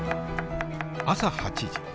朝８時。